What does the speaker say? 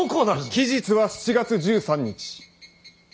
期日は７月１３日。